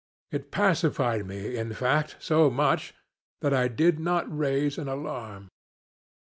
It pacified me, in fact, so much, that I did not raise an alarm.